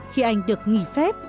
khi anh được nghỉ phép